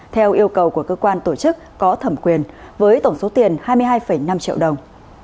theo yêu cầu của cơ quan tổ chức có thẩm quyền với tổng số tiền hai mươi hai năm triệu đồng